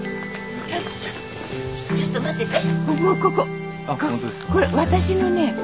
ちょっとちょっとちょっと待ってて。